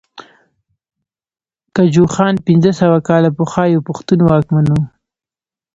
ګجوخان پنځه سوه کاله پخوا يو پښتون واکمن وو